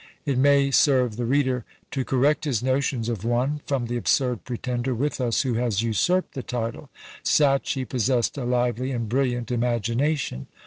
It may serve the reader to correct his notions of one, from the absurd pretender with us who has usurped the title. "Sacchi possessed a lively and brilliant imagination.